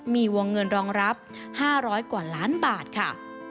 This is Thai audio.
มีวงเงินรองรับ๕๐๐กว่าล้านบาทค่ะ